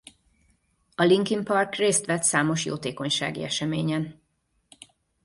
A Linkin Park részt vett számos jótékonysági eseményen.